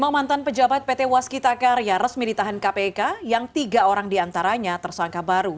lima mantan pejabat pt waskita karya resmi ditahan kpk yang tiga orang diantaranya tersangka baru